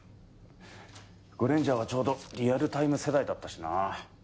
『ゴレンジャー』はちょうどリアルタイム世代だったしな。